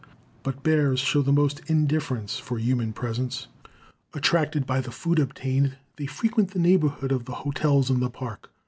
But bears show the most indifference for human presence. Attracted by the food obtained, they frequent the neighborhood of the hotels in the Park.